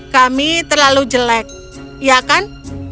kami terlalu jelek ya kan